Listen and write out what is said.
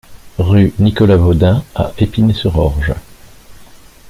Rue Nicolas Vaudin à Épinay-sur-Orge